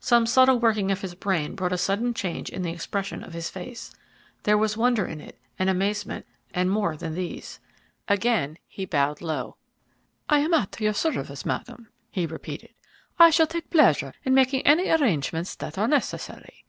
Some subtle working of his brain brought a sudden change in the expression of his face. There was wonder in it, and amazement, and more than these. Again he bowed low. "I am at your service, Madam," he repeated. "I shall take pleasure in making any arrangements that are necessary.